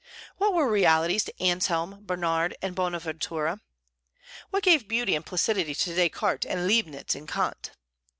What were realities to Anselm, Bernard, and Bonaventura? What gave beauty and placidity to Descartes and Leibnitz and Kant?